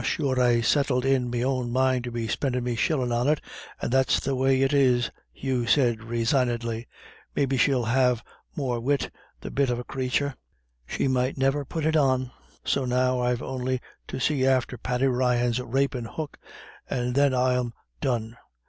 "Ah, sure, I settled in me own mind to be spendin' me shillin' on it, and that's the way it is," Hugh said resignedly. "Maybe she'll have more wit, the bit of a crathur; she might never put it on. So now I've on'y to see after Paddy Ryan's rapin' hook, and then I'm done.